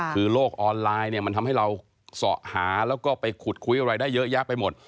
คือโลกออนไลน์เนี่ยมันทำให้เราเสาะหาแล้วก็ไปขุดคุยอะไรได้เยอะแยะไปหมด